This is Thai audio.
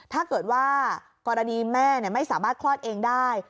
ถ้าเกิดว่ากรณีแม่ไม่สามารถคลอดเองได้